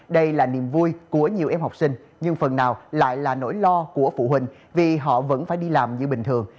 đây là niềm vui của nhiều em học sinh nhưng phần nào lại là nỗi lo của phụ huynh vì họ vẫn phải đi làm như bình thường